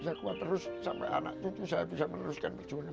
saya kuat terus sampai anak cucu saya bisa meneruskan perjuangan